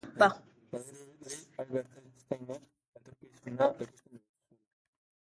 Badirudi Albert Einsteinek etorkizuna ikusten zuela.